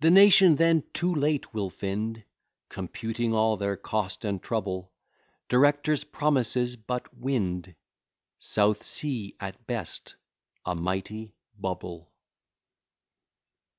The nation then too late will find, Computing all their cost and trouble, Directors' promises but wind, South Sea, at best, a mighty bubble.